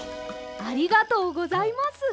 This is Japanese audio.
ありがとうございます。